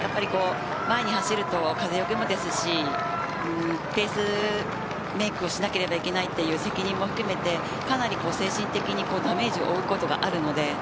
前を走ると風よけもですしペースメークをしなければいけない責任も含めて精神的にダメージを負うことがあります。